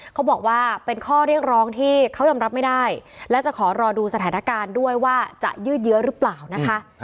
เขาบอกว่าเป็นข้อเรียกร้องที่เขายอมรับไม่ได้และจะขอรอดูสถานการณ์ด้วยว่าจะยืดเยอะหรือเปล่านะคะ